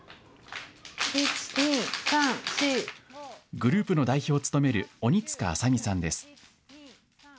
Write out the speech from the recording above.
グループの代表を務める鬼塚麻美さんです。